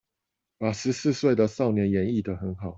把十四歲的少年演繹的很好